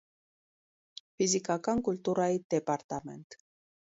Ֆիզիկական կուլտուրայի դեպարտամենտ)։